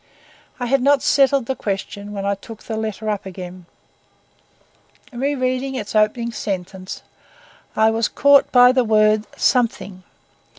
I had not settled the question when I took the letter up again. Re reading its opening sentence, I was caught by the word "something."